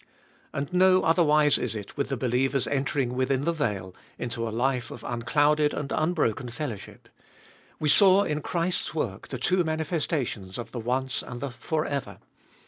And no otherwise is it with the believers entering within the veil, into a life of unclouded and unbroken fellowship. We saw in Christ's work the two manifestations of the once and the for ever.